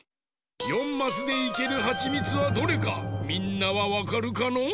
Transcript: ４マスでいけるはちみつはどれかみんなはわかるかのう？